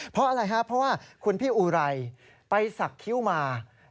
เพราะอะไรครับเพราะว่าคุณพี่อุไรไปสักคิ้วมา